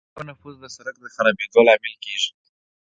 د اوبو نفوذ د سرک د خرابېدو لامل کیږي